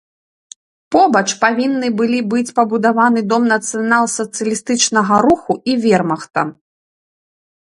Побач павінны былі быць пабудаваны дом нацыянал-сацыялістычнага руху і вермахта.